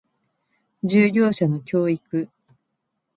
従業者の教育